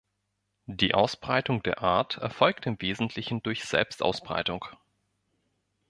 Die Ausbreitung der Art erfolgt im Wesentlichen durch Selbstausbreitung.